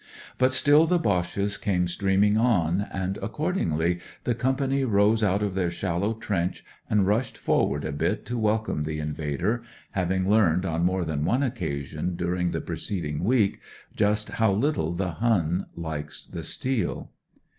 But still the Boches c&me streaming on, and accordingly the company rose out of their shallow trench and rushed forward a bit to welcome the invader, having learned on more than one occasion d^uing the preceding week just how little the Hun likes the steel.